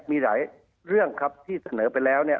มีหลายเรื่องครับที่เสนอไปแล้วเนี่ย